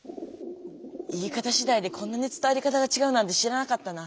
言い方しだいでこんなに伝わり方がちがうなんて知らなかったな。